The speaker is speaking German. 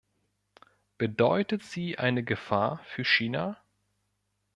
Bedeutet sie eine Gefahr für China?